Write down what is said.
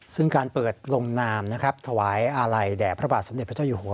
ซึ่งการเปิดลงนามนะครับถวายอาลัยแด่พระบาทสมเด็จพระเจ้าอยู่หัว